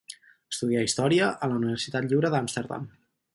Estudià història a la Universitat Lliure d'Amsterdam.